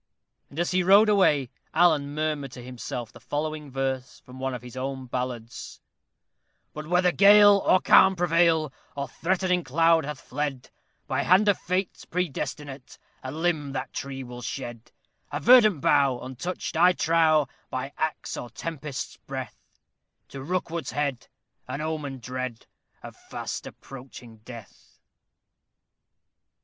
And as he rode away, Alan murmured to himself the following verse from one of his own ballads: But whether gale or calm prevail, or threatening cloud hath fled, By hand of Fate, predestinate, a limb that tree will shed A verdant bough, untouched, I trow, by axe or tempest's breath To Rookwood's head an omen dread of fast approaching death.